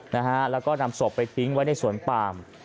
นะฮะแล้วก็นำศพไปทิ้งไว้ในสวนปาม